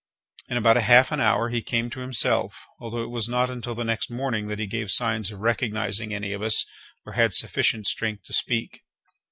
In about half an hour he came to himself, although it was not until the next morning that he gave signs of recognizing any of us, or had sufficient strength to speak.